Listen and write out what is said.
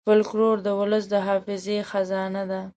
فلکور د ولس د حافظې خزانه ده.